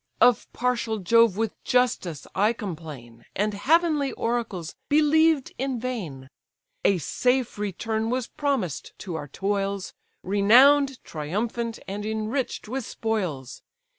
Of partial Jove with justice I complain, And heavenly oracles believed in vain A safe return was promised to our toils, Renown'd, triumphant, and enrich'd with spoils.